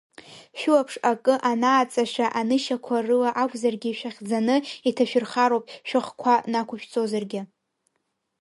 Шәылаԥш акы анааҵашәа, анышьақәа рыла акәзаргьы шәахьӡаны, иҭашәырхароуп, шәыхқәа нақәышәҵозаргьы.